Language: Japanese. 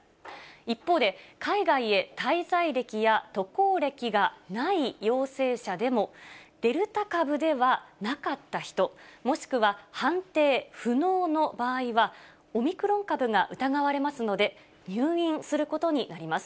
一方で、海外へ滞在歴や渡航歴がない陽性者でも、デルタ株ではなかった人、もしくは判定不能の場合は、オミクロン株が疑われますので、入院することになります。